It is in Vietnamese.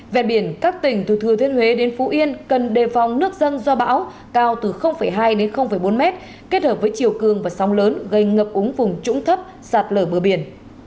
vẹn biển các tỉnh từ thừa thiên huê đến phú yên cần đề phòng nước dân do bão cao từ hai bốn m kết hợp với chiều cường và sóng lớn gây ngập úng vùng trũng thấp sạt lở mưa biển